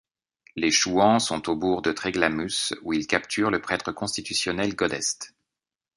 Les Chouans sont au bourg de Tréglamus où ils capturent le prêtre constitutionnel Godest.